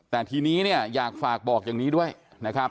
แต่ทีนี้เนี่ยอยากฝากบอกอย่างนี้ด้วยนะครับ